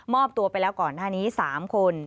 อบตัวไปแล้วก่อนหน้านี้๓คน